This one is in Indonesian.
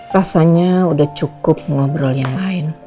rasanya udah cukup ngobrol yang lain